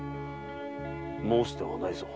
申すではないぞ。